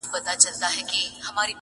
پر حلال حرام یې مه کيږه راوړه یې.